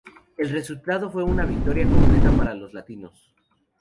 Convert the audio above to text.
El resultado fue una victoria completa para los latinos.